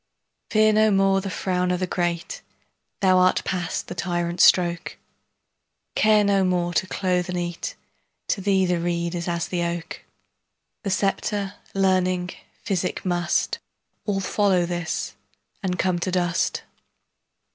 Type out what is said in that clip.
Fear no more the frown o' the great, Thou art past the tyrant's stroke; Care no more to clothe and eat; To thee the reed is as the oak:The sceptre, learning, physic, mustAll follow this, and come to dust.